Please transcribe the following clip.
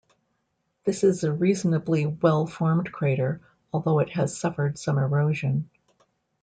This is a reasonably well-formed crater, although it has suffered some erosion.